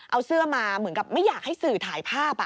เอาเสื้อมาเหมือนกับไม่อยากให้สื่อถ่ายภาพ